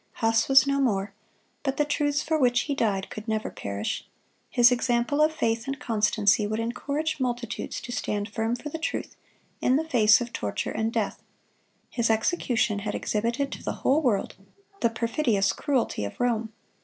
Huss was no more, but the truths for which he died could never perish. His example of faith and constancy would encourage multitudes to stand firm for the truth, in the face of torture and death. His execution had exhibited to the whole world the perfidious cruelty of Rome.